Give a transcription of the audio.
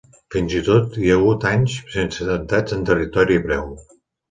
Fins i tot hi ha hagut anys sense atemptats en territori hebreu.